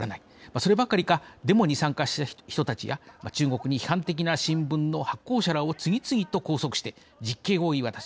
そればかりかデモに参加した人たちや中国に批判的な新聞の発行者らを次々と拘束して、実刑を言い渡し